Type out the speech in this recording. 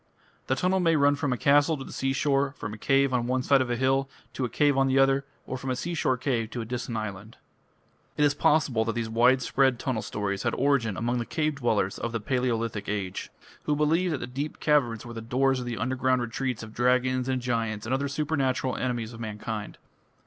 The tunnel may run from a castle to the seashore, from a cave on one side of a hill to a cave on the other, or from a seashore cave to a distant island. It is possible that these widespread tunnel stories had origin among the cave dwellers of the Palaeolithic Age, who believed that deep caverns were the doors of the underground retreats of dragons and giants and other supernatural enemies of mankind.